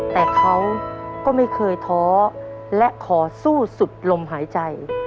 แต่เขาก็ไม่เคยท้อและขอสู้สุดลมหายใจ